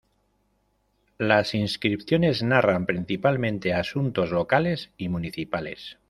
Las inscripciones narran principalmente asuntos locales y municipales.